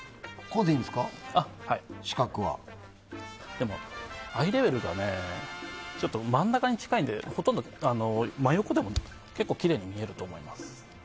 でもアイレベルがちょっと真ん中に近いのでほとんど、真横でも結構きれいに見えると思います。